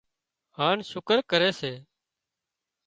هانَ شُڪر ڪري سي